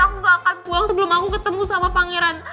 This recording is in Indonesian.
aku gak akan pulang sebelum aku ketemu sama pangeran